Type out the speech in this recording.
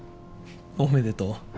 おめでとう。